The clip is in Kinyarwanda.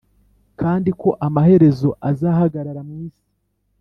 kandi ko amaherezo azahagarara mu isi